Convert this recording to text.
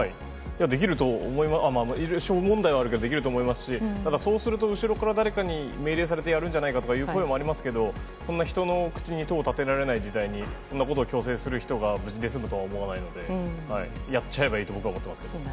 できると思います、小問題はあるけど、できると思いますし、ただそうすると、後ろから誰かに命令されてやるんじゃないかという声もありますけど、こんな人の口に戸を立てられない時代にそんなことを強制する人が無事で済むとは思わないので、やっちゃえばいいと僕は思ってまなるほど。